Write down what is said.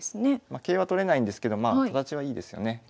桂は取れないんですけど形はいいですよね。